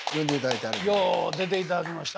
よう出ていただきまして。